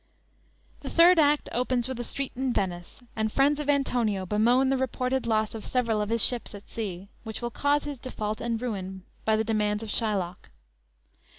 "_ The third act opens with a street in Venice, and friends of Antonio bemoan the reported loss of several of his ships at sea, which will cause his default and ruin, by the demands of Shylock.